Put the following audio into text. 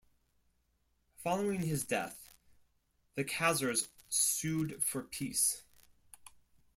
Following his death the Khazars sued for peace.